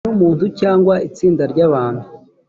n umuntu cyangwa itsinda ry abantu